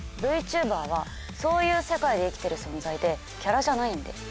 ＶＴｕｂｅｒはそういう世界で生きてる存在でキャラじゃないんで。